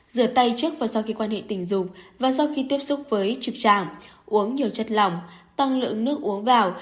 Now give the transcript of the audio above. rửa tay trước và sau khi quan hệ tình dục và sau khi tiếp xúc với trực tràng uống nhiều chất lỏng tăng lượng nước uống vào